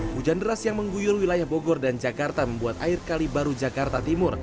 hujan deras yang mengguyur wilayah bogor dan jakarta membuat air kali baru jakarta timur